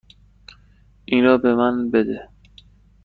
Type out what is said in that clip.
این را به من بده.